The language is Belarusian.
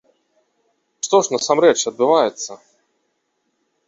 Што ж насамрэч адбываецца?